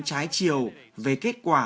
trái chiều về kết quả